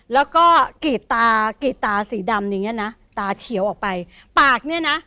แล้วก็กรีดตากรีดตาสีดำอย่างเงี้นะตาเฉียวออกไปปากเนี้ยนะ